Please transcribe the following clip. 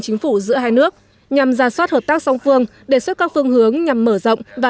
chính phủ giữa hai nước nhằm ra soát hợp tác song phương đề xuất các phương hướng nhằm mở rộng và